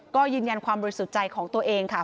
ก็ยืนยันความบริสุทธิ์ใจของตัวเองค่ะ